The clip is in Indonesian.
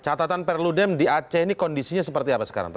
catatan perludem di aceh ini kondisinya seperti apa sekarang pak